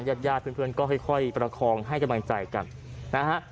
ญาติญาติเพื่อนก็ค่อยประคองให้กำลังใจกันนะฮะ